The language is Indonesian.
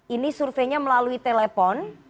ini surveinya melalui telepon